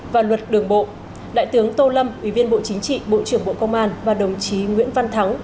và luật đường bộ đại tướng tô lâm ủy viên bộ chính trị bộ trưởng bộ công an và đồng chí nguyễn văn thắng